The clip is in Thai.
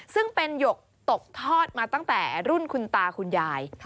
ซึ่งเป็นหยกตกทอดมาตั้งแต่รุ่นคุณตาคุณยาย